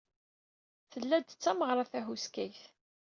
Tella-d d tameɣra tahuskayt.